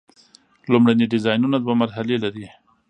لومړني ډیزاینونه دوه مرحلې لري.